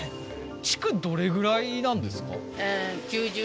築どれぐらいなんですか？